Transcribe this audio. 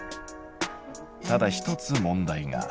ただ一つ問題が。